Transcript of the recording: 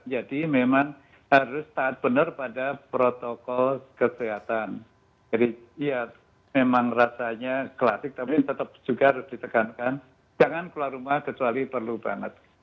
jadi memang harus taat benar pada protokol kesehatan jadi ya memang rasanya klasik tapi tetap juga harus ditekankan jangan keluar rumah kecuali perlu banget